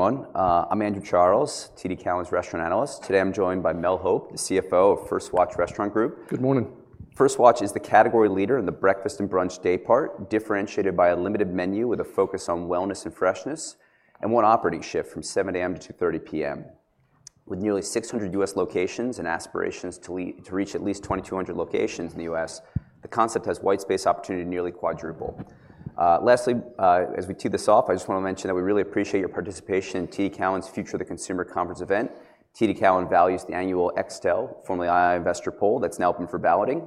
Everyone, I'm Andrew Charles, TD Cowen's restaurant analyst. Today I'm joined by Mel Hope, the CFO of First Watch Restaurant Group. Good morning. First Watch is the category leader in the breakfast and brunch day part, differentiated by a limited menu with a focus on wellness and freshness, and one operating shift from 7:00 A.M. to 2:30 P.M. With nearly 600 U.S. locations and aspirations to reach at least 2,200 locations in the U.S., the concept has white space opportunity nearly quadrupled. Lastly, as we tee this off, I just want to mention that we really appreciate your participation in TD Cowen's Future of the Consumer Conference event. TD Cowen values the annual Extel, formerly II Investor Poll, that's now open for balloting.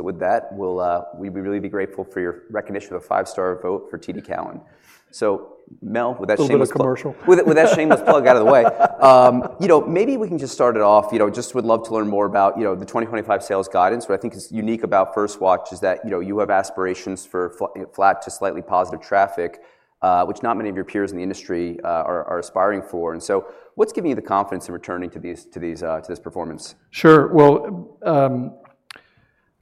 With that, we'd really be grateful for your recognition of a five-star vote for TD Cowen. So, Mel, with that shameless. A little bit of commercial. With that shameless plug out of the way, you know, maybe we can just start it off, you know, just would love to learn more about the 2025 sales guidance. What I think is unique about First Watch is that you have aspirations for flat to slightly positive traffic, which not many of your peers in the industry are aspiring for. What is giving you the confidence in returning to this performance? Sure.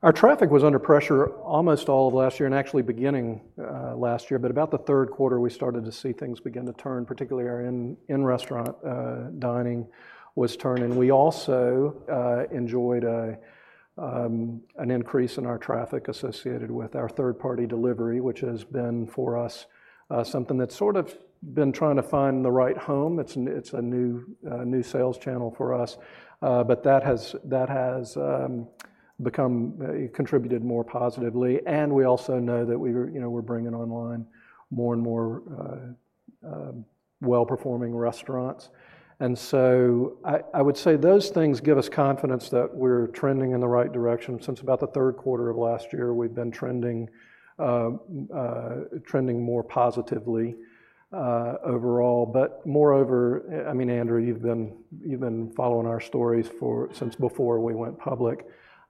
Our traffic was under pressure almost all of last year and actually beginning last year, but about the third quarter we started to see things begin to turn, particularly our in-restaurant dining was turning. We also enjoyed an increase in our traffic associated with our third-party delivery, which has been for us something that's sort of been trying to find the right home. It's a new sales channel for us, but that has contributed more positively. We also know that we were bringing online more and more well-performing restaurants. I would say those things give us confidence that we're trending in the right direction. Since about the third quarter of last year, we've been trending more positively overall. Moreover, I mean, Andrew, you've been following our story since before we went public,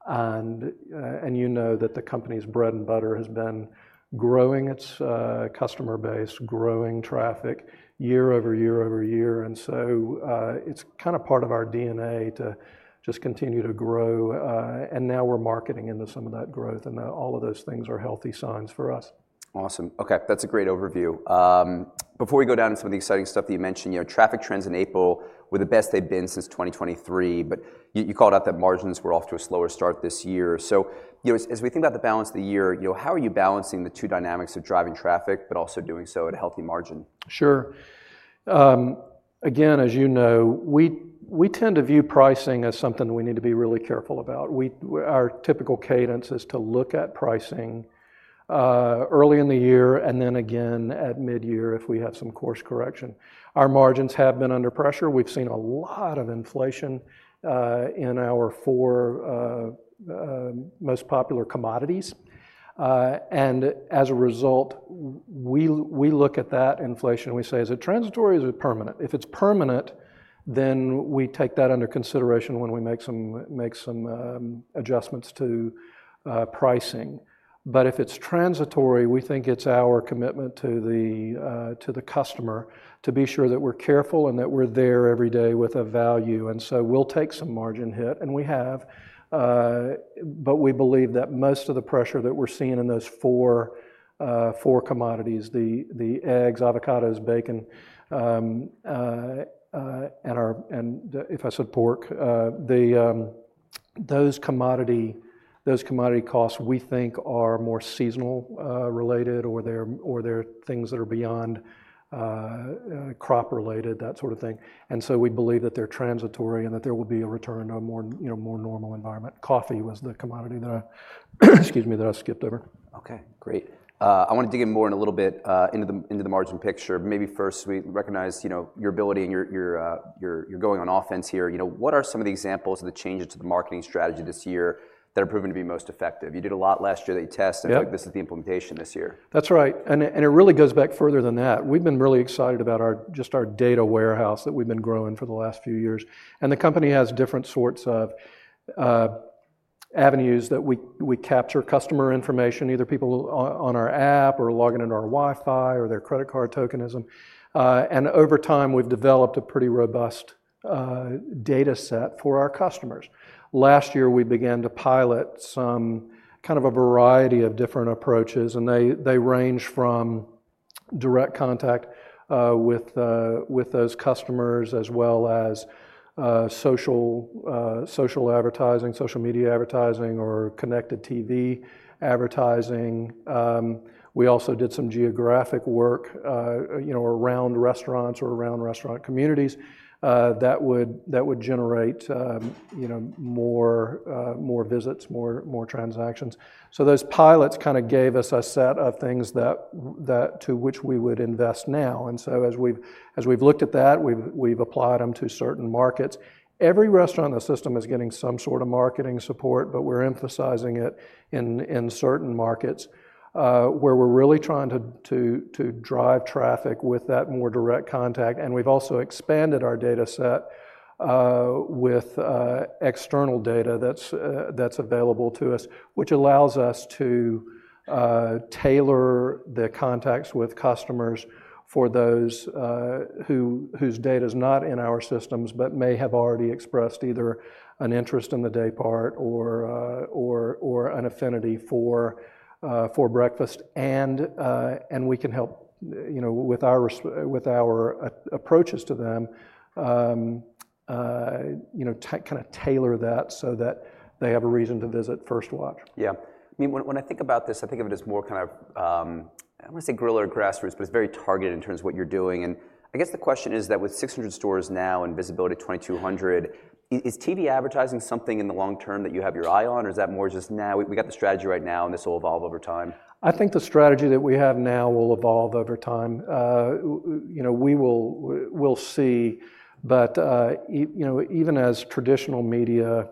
and you know that the company's bread and butter has been growing its customer base, growing traffic year over year over year. It's kind of part of our DNA to just continue to grow. Now we're marketing into some of that growth, and all of those things are healthy signs for us. Awesome. Okay, that's a great overview. Before we go down to some of the exciting stuff that you mentioned, you know, traffic trends in April were the best they've been since 2023, but you called out that margins were off to a slower start this year. So, you know, as we think about the balance of the year, you know, how are you balancing the two dynamics of driving traffic but also doing so at a healthy margin? Sure. Again, as you know, we tend to view pricing as something we need to be really careful about. Our typical cadence is to look at pricing early in the year and then again at mid-year if we have some course correction. Our margins have been under pressure. We've seen a lot of inflation in our four most popular commodities. As a result, we look at that inflation and we say, is it transitory or is it permanent? If it's permanent, then we take that under consideration when we make some adjustments to pricing. If it's transitory, we think it's our commitment to the customer to be sure that we're careful and that we're there every day with a value. We will take some margin hit, and we have. We believe that most of the pressure that we're seeing in those four commodities, the eggs, avocados, bacon, and if I said pork, those commodity costs we think are more seasonal related or they're things that are beyond crop related, that sort of thing. We believe that they're transitory and that there will be a return to a more normal environment. Coffee was the commodity that I skipped over. Okay, great. I want to dig in more in a little bit into the margin picture. Maybe first we recognize your ability and you're going on offense here. You know, what are some of the examples of the changes to the marketing strategy this year that are proving to be most effective? You did a lot last year that you tested, but this is the implementation this year. That's right. It really goes back further than that. We've been really excited about just our data warehouse that we've been growing for the last few years. The company has different sorts of avenues that we capture customer information, either people on our app or logging into our Wi-Fi or their credit card tokenism. Over time, we've developed a pretty robust data set for our customers. Last year, we began to pilot some kind of a variety of different approaches, and they range from direct contact with those customers as well as social advertising, social media advertising, or connected TV advertising. We also did some geographic work, you know, around restaurants or around restaurant communities that would generate more visits, more transactions. Those pilots kind of gave us a set of things to which we would invest now. As we've looked at that, we've applied them to certain markets. Every restaurant in the system is getting some sort of marketing support, but we're emphasizing it in certain markets where we're really trying to drive traffic with that more direct contact. We've also expanded our data set with external data that's available to us, which allows us to tailor the contacts with customers for those whose data is not in our systems but may have already expressed either an interest in the day part or an affinity for breakfast. We can help, you know, with our approaches to them, you know, kind of tailor that so that they have a reason to visit First Watch. Yeah. I mean, when I think about this, I think of it as more kind of, I don't want to say griller or grassroots, but it's very targeted in terms of what you're doing. I guess the question is that with 600 stores now and visibility at 2,200, is TV advertising something in the long term that you have your eye on, or is that more just now, we got the strategy right now and this will evolve over time? I think the strategy that we have now will evolve over time. You know, we'll see. But, you know, even as traditional media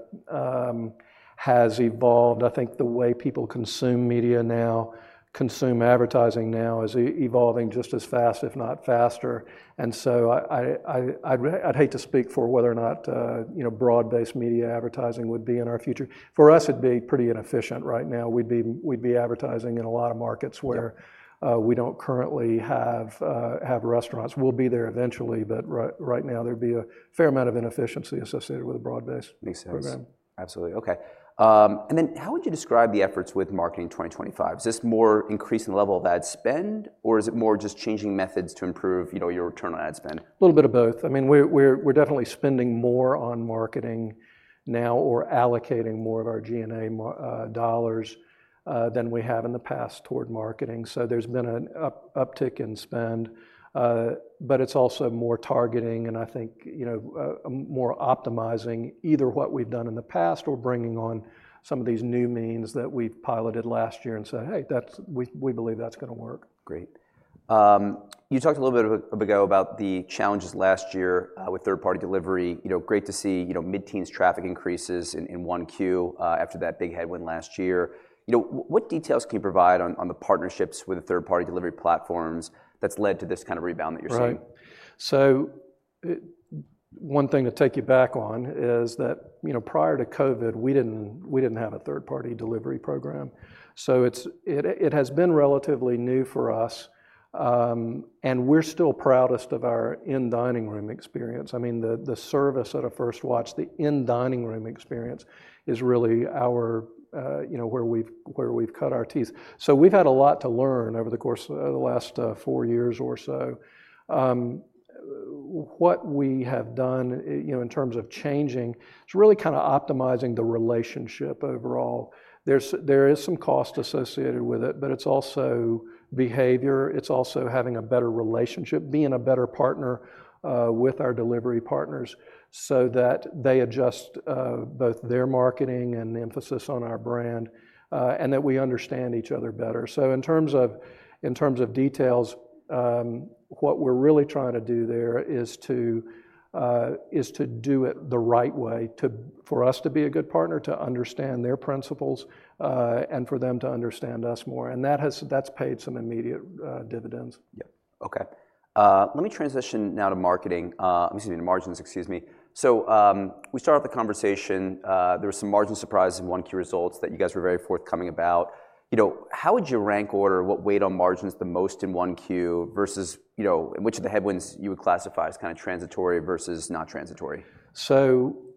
has evolved, I think the way people consume media now, consume advertising now, is evolving just as fast, if not faster. I'd hate to speak for whether or not, you know, broad-based media advertising would be in our future. For us, it'd be pretty inefficient right now. We'd be advertising in a lot of markets where we don't currently have restaurants. We'll be there eventually, but right now there'd be a fair amount of inefficiency associated with a broad-based program. Makes sense. Absolutely. Okay. How would you describe the efforts with marketing 2025? Is this more increasing the level of ad spend, or is it more just changing methods to improve, you know, your return on ad spend? A little bit of both. I mean, we're definitely spending more on marketing now or allocating more of our G&A dollars than we have in the past toward marketing. There has been an uptick in spend, but it's also more targeting and I think, you know, more optimizing either what we've done in the past or bringing on some of these new means that we've piloted last year and said, hey, we believe that's going to work. Great. You talked a little bit ago about the challenges last year with third-party delivery. You know, great to see, you know, mid-teens traffic increases in one Q after that big headwind last year. You know, what details can you provide on the partnerships with the third-party delivery platforms that's led to this kind of rebound that you're seeing? One thing to take you back on is that, you know, prior to COVID, we did not have a third-party delivery program. It has been relatively new for us, and we are still proudest of our in-dining room experience. I mean, the service at a First Watch, the in-dining room experience is really our, you know, where we have cut our teeth. We have had a lot to learn over the course of the last four years or so. What we have done, you know, in terms of changing, it is really kind of optimizing the relationship overall. There is some cost associated with it, but it is also behavior. It is also having a better relationship, being a better partner with our delivery partners so that they adjust both their marketing and the emphasis on our brand and that we understand each other better. In terms of details, what we're really trying to do there is to do it the right way for us to be a good partner, to understand their principles and for them to understand us more. And that's paid some immediate dividends. Yeah. Okay. Let me transition now to marketing. Excuse me, margins, excuse me. We started the conversation, there were some margin surprises in Q1 results that you guys were very forthcoming about. You know, how would you rank order what weighed on margins the most in Q1 versus, you know, which of the headwinds you would classify as kind of transitory versus not transitory?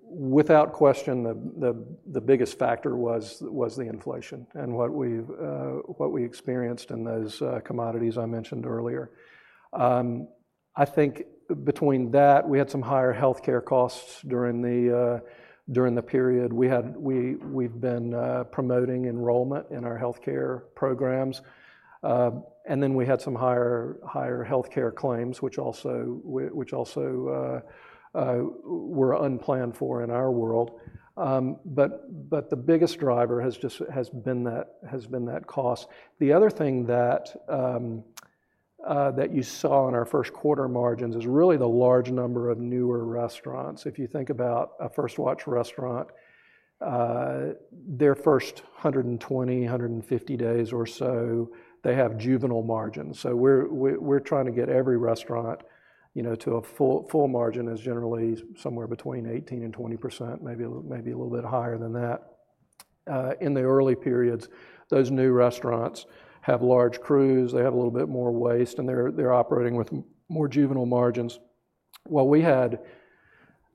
Without question, the biggest factor was the inflation and what we experienced in those commodities I mentioned earlier. I think between that, we had some higher healthcare costs during the period. We've been promoting enrollment in our healthcare programs. Then we had some higher healthcare claims, which also were unplanned for in our world. The biggest driver has been that cost. The other thing that you saw in our first quarter margins is really the large number of newer restaurants. If you think about a First Watch restaurant, their first 120, 150 days or so, they have juvenile margins. We're trying to get every restaurant, you know, to a full margin, which is generally somewhere between 18%-20%, maybe a little bit higher than that. In the early periods, those new restaurants have large crews, they have a little bit more waste, and they're operating with more juvenile margins. We had,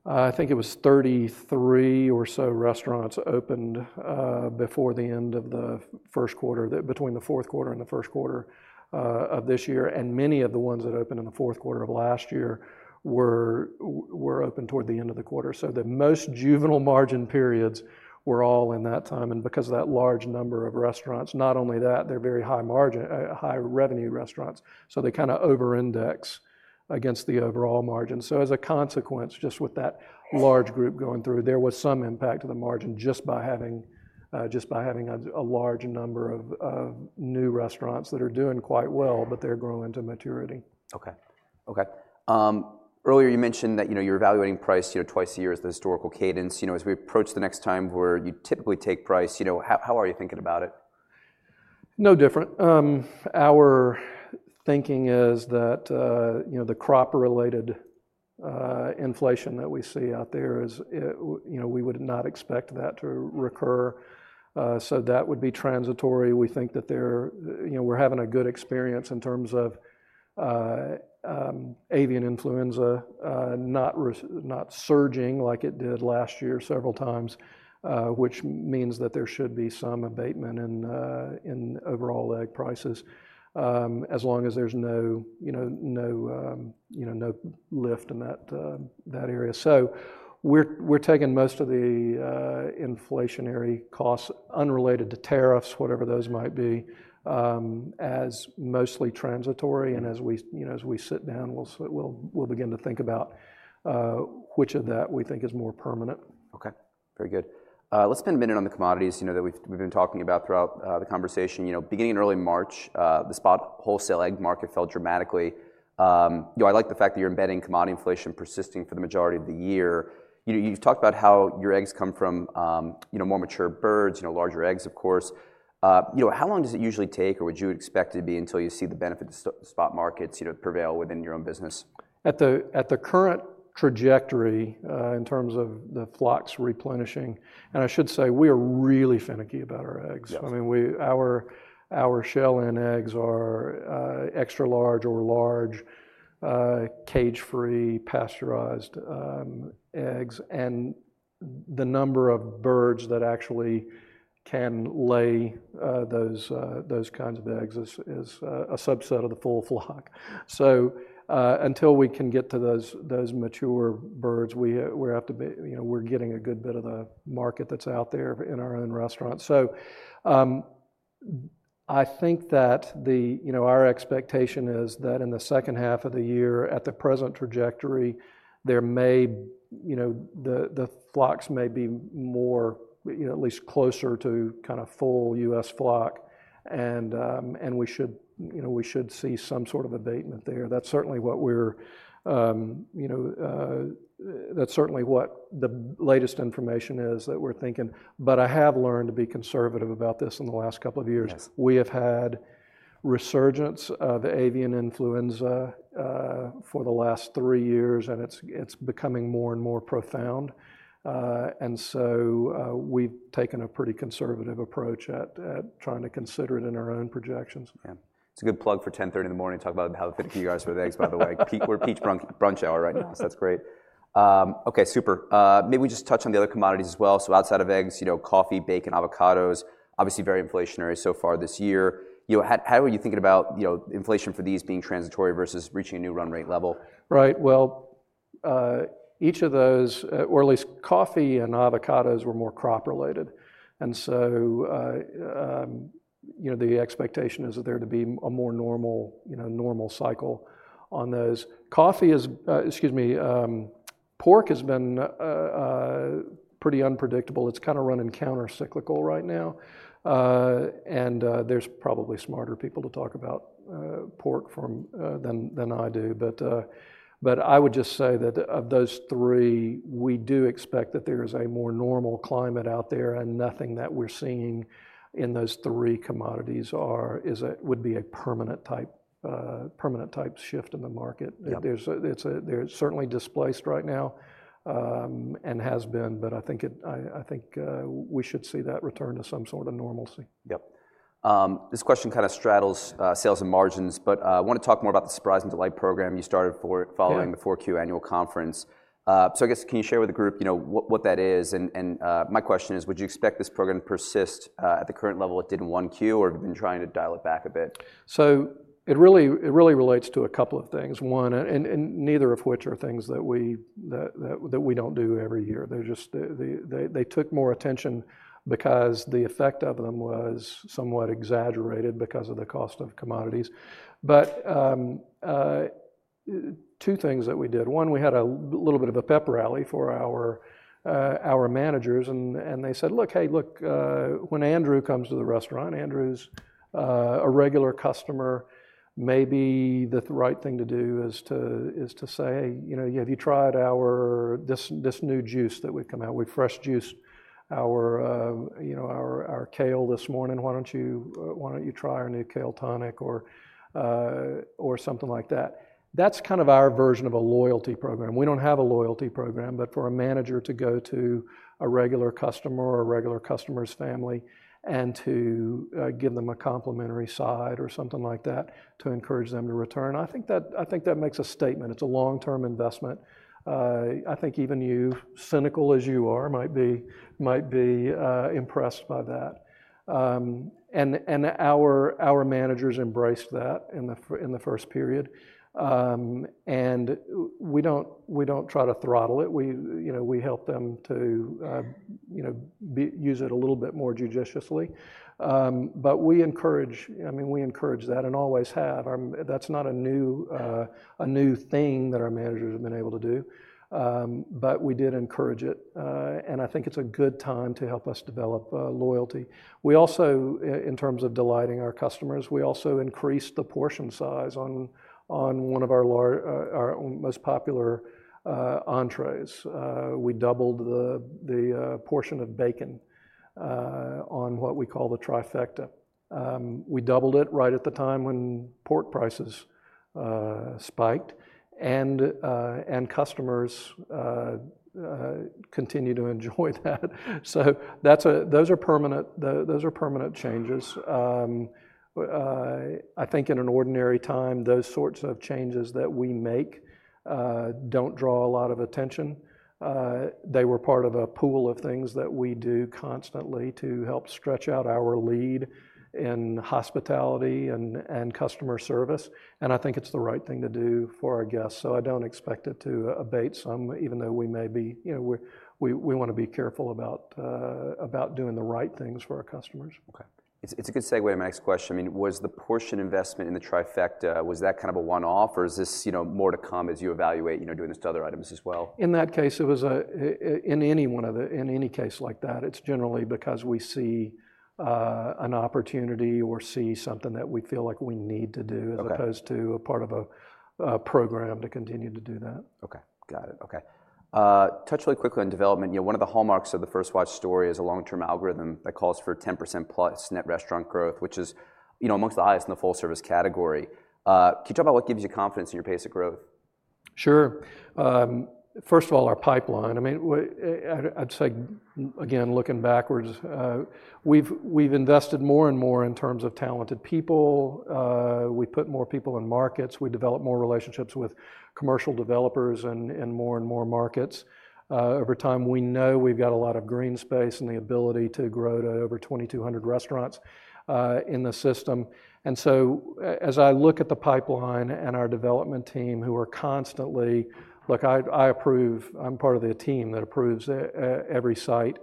I think it was 33 or so restaurants opened before the end of the first quarter, between the fourth quarter and the first quarter of this year. Many of the ones that opened in the fourth quarter of last year were open toward the end of the quarter. The most juvenile margin periods were all in that time. Because of that large number of restaurants, not only that, they're very high revenue restaurants. They kind of over-index against the overall margin. As a consequence, just with that large group going through, there was some impact to the margin just by having a large number of new restaurants that are doing quite well, but they're growing to maturity. Okay. Okay. Earlier you mentioned that, you know, you're evaluating price, you know, twice a year as the historical cadence. You know, as we approach the next time where you typically take price, you know, how are you thinking about it? No different. Our thinking is that, you know, the crop-related inflation that we see out there, you know, we would not expect that to recur. That would be transitory. We think that there, you know, we're having a good experience in terms of avian influenza not surging like it did last year several times, which means that there should be some abatement in overall egg prices as long as there's no, you know, no lift in that area. We are taking most of the inflationary costs unrelated to tariffs, whatever those might be, as mostly transitory. As we sit down, we'll begin to think about which of that we think is more permanent. Okay. Very good. Let's spend a minute on the commodities, you know, that we've been talking about throughout the conversation. You know, beginning in early March, the spot wholesale egg market fell dramatically. You know, I like the fact that you're embedding commodity inflation persisting for the majority of the year. You've talked about how your eggs come from, you know, more mature birds, you know, larger eggs, of course. You know, how long does it usually take or would you expect it to be until you see the benefit to spot markets, you know, prevail within your own business? At the current trajectory in terms of the flocks replenishing, and I should say we are really finicky about our eggs. I mean, our shell-in eggs are extra large or large, cage-free, pasteurized eggs. The number of birds that actually can lay those kinds of eggs is a subset of the full flock. Until we can get to those mature birds, we have to be, you know, we're getting a good bit of the market that's out there in our own restaurants. I think that, you know, our expectation is that in the second half of the year, at the present trajectory, there may, you know, the flocks may be more, you know, at least closer to kind of full U.S. flock. We should, you know, we should see some sort of abatement there. That's certainly what we're, you know, that's certainly what the latest information is that we're thinking. I have learned to be conservative about this in the last couple of years. We have had resurgence of avian influenza for the last three years, and it's becoming more and more profound. We have taken a pretty conservative approach at trying to consider it in our own projections. Yeah. It's a good plug for 10:30 in the morning to talk about how thin you are with eggs, by the way. We're peak brunch hour right now, so that's great. Okay, super. Maybe we just touch on the other commodities as well. So outside of eggs, you know, coffee, bacon, avocados, obviously very inflationary so far this year. You know, how are you thinking about, you know, inflation for these being transitory versus reaching a new run rate level? Right. Each of those, or at least coffee and avocados, were more crop-related. And so, you know, the expectation is that there to be a more normal, you know, normal cycle on those. Coffee is, excuse me, pork has been pretty unpredictable. It's kind of running countercyclical right now. There's probably smarter people to talk about pork than I do. I would just say that of those three, we do expect that there is a more normal climate out there and nothing that we're seeing in those three commodities would be a permanent type shift in the market. It's certainly displaced right now and has been, but I think we should see that return to some sort of normalcy. Yep. This question kind of straddles sales and margins, but I want to talk more about the surprise and delight program you started following the 4Q annual conference. So I guess can you share with the group, you know, what that is? And my question is, would you expect this program to persist at the current level it did in 1Q or have you been trying to dial it back a bit? It really relates to a couple of things. One, and neither of which are things that we do not do every year. They took more attention because the effect of them was somewhat exaggerated because of the cost of commodities. Two things that we did. One, we had a little bit of a pep rally for our managers and they said, "Look, hey, look, when Andrew comes to the restaurant, Andrew's a regular customer, maybe the right thing to do is to say, you know, have you tried this new juice that we've come out? We fresh juiced our, you know, our kale this morning. Why do you not try our new kale tonic or something like that?" That is kind of our version of a loyalty program. We don't have a loyalty program, but for a manager to go to a regular customer or a regular customer's family and to give them a complimentary side or something like that to encourage them to return, I think that makes a statement. It's a long-term investment. I think even you, cynical as you are, might be impressed by that. Our managers embraced that in the first period. We don't try to throttle it. We, you know, we help them to, you know, use it a little bit more judiciously. We encourage, I mean, we encourage that and always have. That's not a new thing that our managers have been able to do, but we did encourage it. I think it's a good time to help us develop loyalty. We also, in terms of delighting our customers, we also increased the portion size on one of our most popular entrees. We doubled the portion of bacon on what we call the Tri-Fecta. We doubled it right at the time when pork prices spiked and customers continue to enjoy that. Those are permanent changes. I think in an ordinary time, those sorts of changes that we make do not draw a lot of attention. They were part of a pool of things that we do constantly to help stretch out our lead in hospitality and customer service. I think it is the right thing to do for our guests. I do not expect it to abate some, even though we may be, you know, we want to be careful about doing the right things for our customers. Okay. It's a good segue to my next question. I mean, was the portion investment in the Tri-Fecta, was that kind of a one-off or is this, you know, more to come as you evaluate, you know, doing this to other items as well? In that case, it was in any case like that, it's generally because we see an opportunity or see something that we feel like we need to do as opposed to a part of a program to continue to do that. Okay. Got it. Okay. Touch really quickly on development. You know, one of the hallmarks of the First Watch story is a long-term algorithm that calls for 10% plus net restaurant growth, which is, you know, amongst the highest in the full-service category. Can you talk about what gives you confidence in your pace of growth? Sure. First of all, our pipeline. I mean, I'd say, again, looking backwards, we've invested more and more in terms of talented people. We put more people in markets. We develop more relationships with commercial developers in more and more markets. Over time, we know we've got a lot of green space and the ability to grow to over 2,200 restaurants in the system. As I look at the pipeline and our development team who are constantly, look, I approve, I'm part of the team that approves every site.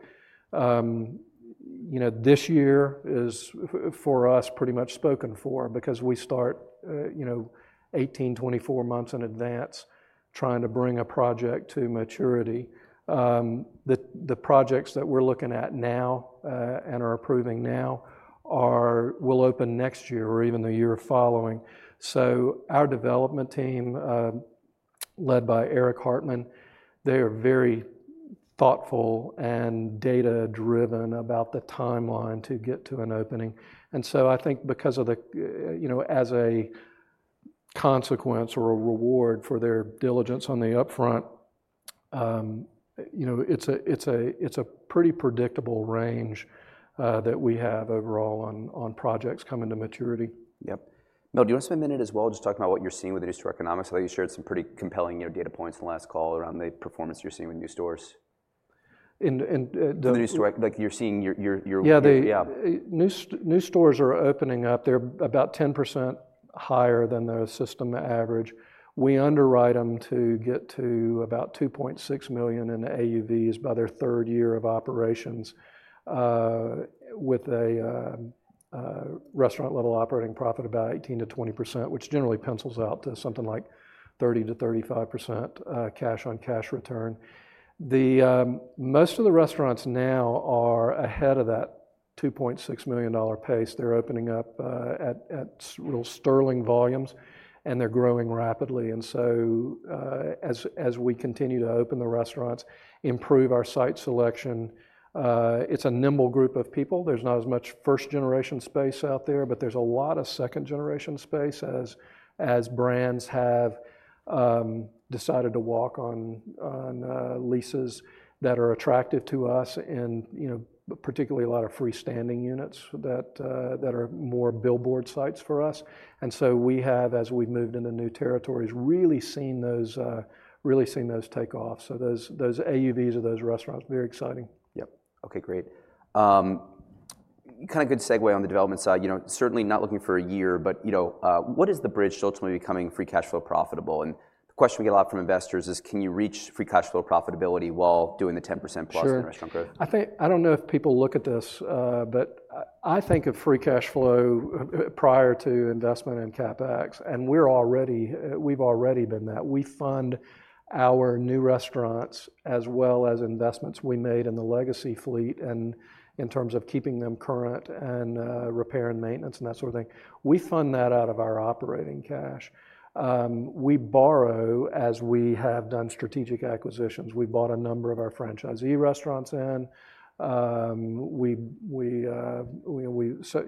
You know, this year is for us pretty much spoken for because we start, you know, 18, 24 months in advance trying to bring a project to maturity. The projects that we're looking at now and are approving now will open next year or even the year following. Our development team led by Eric Hartman, they are very thoughtful and data-driven about the timeline to get to an opening. I think because of the, you know, as a consequence or a reward for their diligence on the upfront, you know, it's a pretty predictable range that we have overall on projects coming to maturity. Yep. Mel, do you want to spend a minute as well just talking about what you're seeing with the new store economics? I thought you shared some pretty compelling data points in the last call around the performance you're seeing with new stores. In the new store? Like you're seeing your, yeah. Yeah, new stores are opening up. They're about 10% higher than their system average. We underwrite them to get to about $2.6 million in AUVs by their third year of operations with a restaurant-level operating profit about 18%-20%, which generally pencils out to something like 30%-35% cash-on-cash return. Most of the restaurants now are ahead of that $2.6 million pace. They're opening up at real sterling volumes and they're growing rapidly. As we continue to open the restaurants, improve our site selection, it's a nimble group of people. There's not as much first-generation space out there, but there's a lot of second-generation space as brands have decided to walk on leases that are attractive to us and, you know, particularly a lot of freestanding units that are more billboard sites for us. As we've moved into new territories, we have really seen those take off. Those AUVs of those restaurants are very exciting. Yep. Okay, great. Kind of good segue on the development side. You know, certainly not looking for a year, but, you know, what is the bridge to ultimately becoming free cash flow profitable? And the question we get a lot from investors is, can you reach free cash flow profitability while doing the 10%+ in restaurant growth? Sure. I think, I don't know if people look at this, but I think of free cash flow prior to investment in CapEx. We've already been that. We fund our new restaurants as well as investments we made in the legacy fleet and in terms of keeping them current and repair and maintenance and that sort of thing. We fund that out of our operating cash. We borrow as we have done strategic acquisitions. We bought a number of our franchisee restaurants in.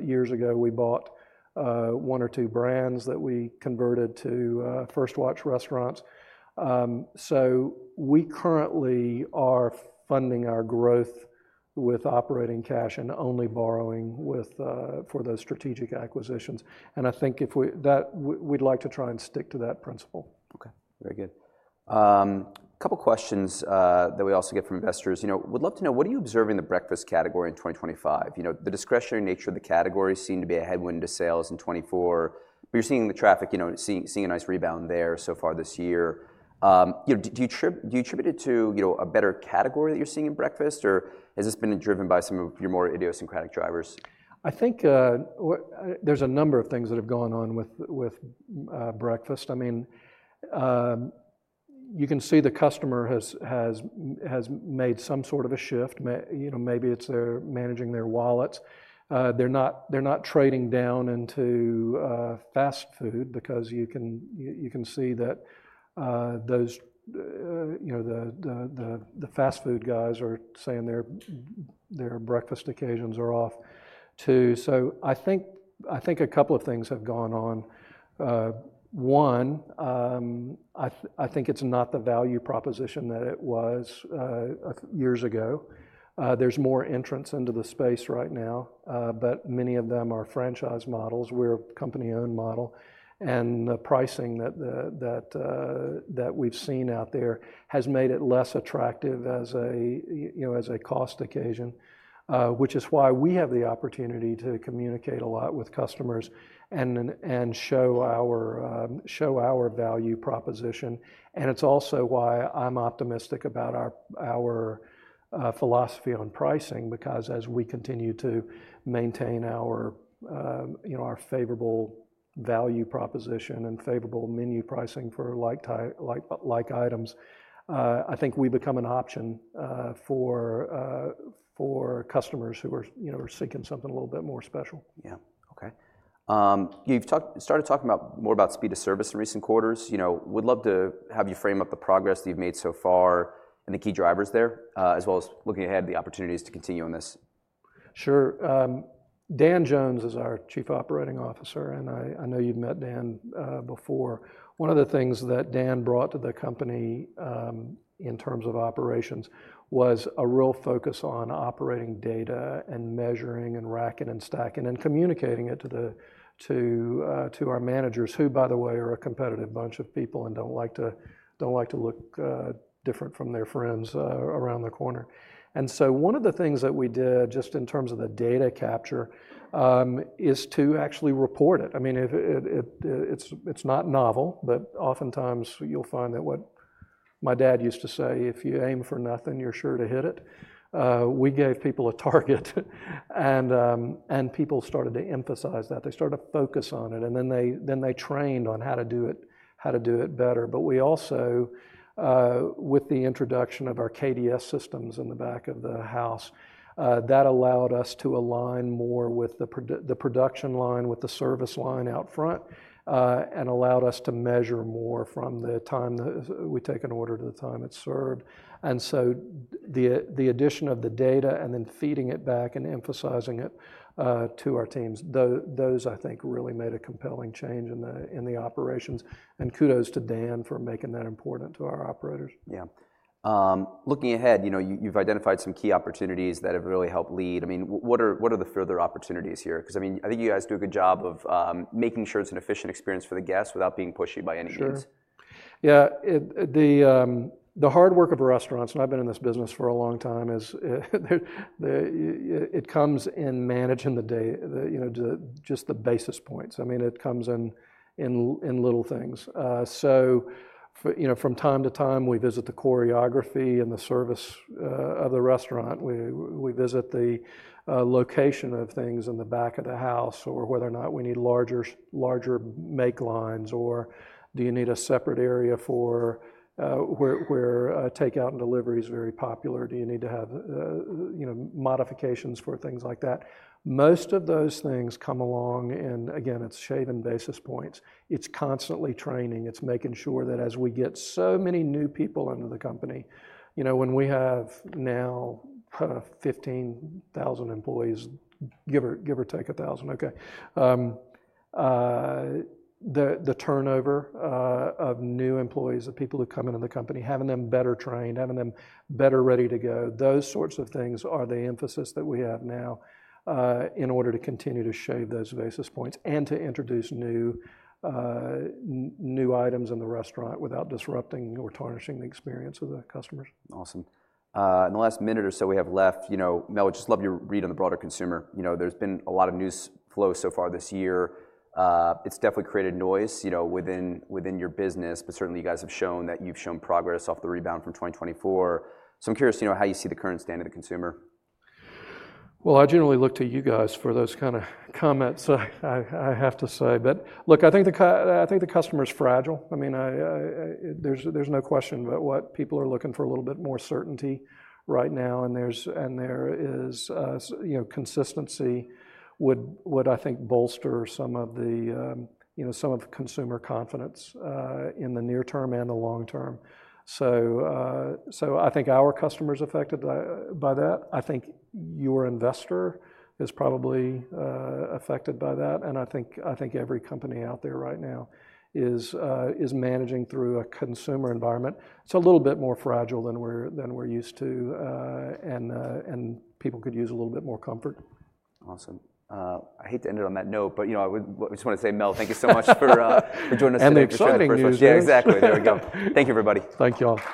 Years ago, we bought one or two brands that we converted to First Watch Restaurants. We currently are funding our growth with operating cash and only borrowing for those strategic acquisitions. I think we'd like to try and stick to that principle. Okay. Very good. A couple of questions that we also get from investors. You know, would love to know, what are you observing in the breakfast category in 2025? You know, the discretionary nature of the category seemed to be a headwind to sales in 2024, but you're seeing the traffic, you know, seeing a nice rebound there so far this year. You know, do you attribute it to, you know, a better category that you're seeing in breakfast or has this been driven by some of your more idiosyncratic drivers? I think there's a number of things that have gone on with breakfast. I mean, you can see the customer has made some sort of a shift. You know, maybe it's they're managing their wallets. They're not trading down into fast food because you can see that those, you know, the fast food guys are saying their breakfast occasions are off too. I think a couple of things have gone on. One, I think it's not the value proposition that it was years ago. There's more entrance into the space right now, but many of them are franchise models. We're a company-owned model. The pricing that we've seen out there has made it less attractive as a, you know, as a cost occasion, which is why we have the opportunity to communicate a lot with customers and show our value proposition. It's also why I'm optimistic about our philosophy on pricing because as we continue to maintain our, you know, our favorable value proposition and favorable menu pricing for like items, I think we become an option for customers who are, you know, seeking something a little bit more special. Yeah. Okay. You've started talking more about speed of service in recent quarters. You know, would love to have you frame up the progress that you've made so far and the key drivers there, as well as looking ahead at the opportunities to continue on this. Sure. Dan Jones is our Chief Operating Officer and I know you've met Dan before. One of the things that Dan brought to the company in terms of operations was a real focus on operating data and measuring and racking and stacking and communicating it to our managers who, by the way, are a competitive bunch of people and don't like to look different from their friends around the corner. One of the things that we did just in terms of the data capture is to actually report it. I mean, it's not novel, but oftentimes you'll find that what my dad used to say, if you aim for nothing, you're sure to hit it. We gave people a target and people started to emphasize that. They started to focus on it and then they trained on how to do it better. We also, with the introduction of our KDS systems in the back of the house, that allowed us to align more with the production line, with the service line out front and allowed us to measure more from the time that we take an order to the time it's served. The addition of the data and then feeding it back and emphasizing it to our teams, those I think really made a compelling change in the operations. Kudos to Dan for making that important to our operators. Yeah. Looking ahead, you know, you've identified some key opportunities that have really helped lead. I mean, what are the further opportunities here? Because I mean, I think you guys do a good job of making sure it's an efficient experience for the guests without being pushy by any means. Sure. Yeah. The hard work of restaurants, and I've been in this business for a long time, is it comes in managing the, you know, just the basis points. I mean, it comes in little things. You know, from time to time, we visit the choreography and the service of the restaurant. We visit the location of things in the back of the house or whether or not we need larger make lines or do you need a separate area for where takeout and delivery is very popular. Do you need to have, you know, modifications for things like that? Most of those things come along and again, it's shaving basis points. It's constantly training. It's making sure that as we get so many new people into the company, you know, when we have now 15,000 employees, give or take a thousand, okay, the turnover of new employees, of people who come into the company, having them better trained, having them better ready to go, those sorts of things are the emphasis that we have now in order to continue to shave those basis points and to introduce new items in the restaurant without disrupting or tarnishing the experience of the customers. Awesome. In the last minute or so we have left, you know, Mel, I'd just love your read on the broader consumer. You know, there's been a lot of news flow so far this year. It's definitely created noise, you know, within your business, but certainly you guys have shown that you've shown progress off the rebound from 2024. So I'm curious, you know, how you see the current stand of the consumer. I generally look to you guys for those kind of comments, I have to say. I think the customer is fragile. I mean, there's no question about what people are looking for, a little bit more certainty right now. There is, you know, consistency would I think bolster some of the, you know, some of the consumer confidence in the near term and the long term. I think our customer is affected by that. I think your investor is probably affected by that. I think every company out there right now is managing through a consumer environment. It's a little bit more fragile than we're used to and people could use a little bit more comfort. Awesome. I hate to end it on that note, but you know, I just want to say, Mel, thank you so much for joining us in the [call]. [I'm excited for you.] Yeah, exactly. There we go. Thank you, everybody. Thank you.